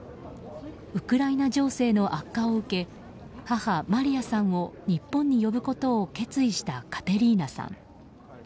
ウクライナ情勢の悪化を受け母マリヤさんを日本に呼ぶことを決意したカテリーナさん。